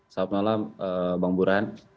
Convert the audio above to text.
selamat malam bang burhan